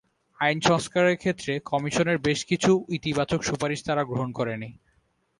আইন সংস্কারের ক্ষেত্রে কমিশনের বেশ কিছু ইতিবাচক সুপারিশ তারা গ্রহণ করেনি।